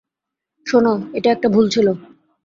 শোনো, এটা একটা ভুল ছিলো।